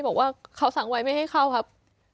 บอกว่าเขาสั่งไว้ไม่ให้เข้าครับ